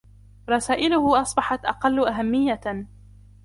رسائلهُ أصبحت أقل أهمية.